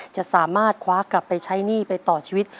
จะสามารถคว้ากลับไปใช้หนี้ไปต่อชีวิต